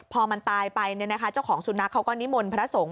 พอมันตายไปเจ้าของสุนัขเขาก็นิมนต์พระสงฆ